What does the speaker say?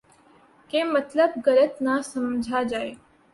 کہ مطلب غلط نہ سمجھا جائے۔